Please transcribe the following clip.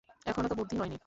এখনও তো যুদ্ধ হয়নি।